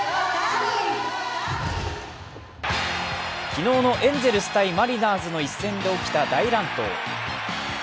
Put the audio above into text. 昨日のエンゼルス対マリナーズの一戦で起きた大乱闘。